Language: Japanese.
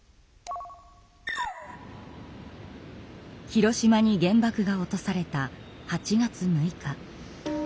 広島に原爆が落とされた８月６日。